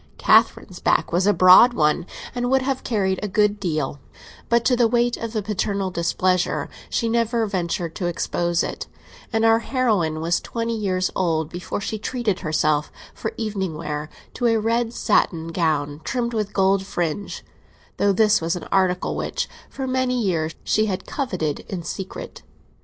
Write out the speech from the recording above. Catherine's back was a broad one, and would have carried a good deal; but to the weight of the paternal displeasure she never ventured to expose it, and our heroine was twenty years old before she treated herself, for evening wear, to a red satin gown trimmed with gold fringe; though this was an article which, for many years, she had coveted in secret.